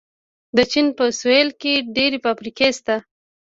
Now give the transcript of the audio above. د چین په سویل کې ډېرې فابریکې شته.